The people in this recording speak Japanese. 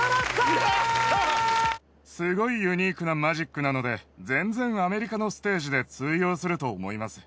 すごいユニークなマジックなので、全然アメリカのステージで通用すると思います。